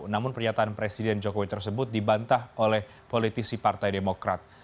namun pernyataan presiden jokowi tersebut dibantah oleh politisi partai demokrat